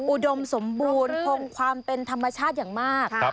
อุดมสมบูรณ์คงความเป็นธรรมชาติอย่างมาก